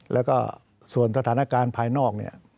แล้วก็ส่วนสถานการณ์ภายนอกเนี่ย